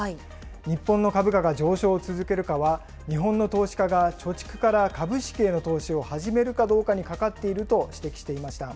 日本の株価が上昇を続けるかは、日本の投資家が貯蓄から株式への投資を始めるかどうかにかかっていると指摘していました。